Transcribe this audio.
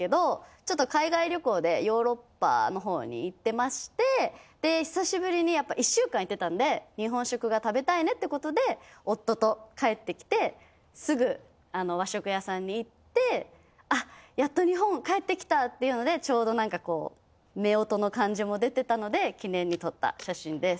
ちょっと海外旅行でヨーロッパの方に行ってまして久しぶりにやっぱ１週間行ってたんで「日本食が食べたいね」ってことで夫と帰ってきてすぐ和食屋さんに行って「あっやっと日本帰ってきた」っていうのでちょうどなんか夫婦の感じも出てたので記念に撮った写真です。